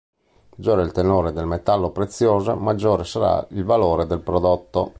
Maggiore è il tenore del metallo prezioso maggiore sarà il valore del prodotto.